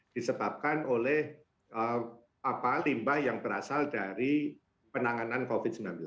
disebabkan oleh apa limbah yang berasal dari limbah medis yang dikendalikan oleh kementerian lhk